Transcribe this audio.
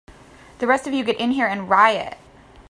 The rest of you get in here and riot!